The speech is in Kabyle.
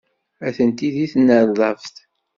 Atenti deg tnerdabt.